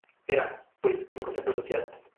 Era, pues, un concepto social.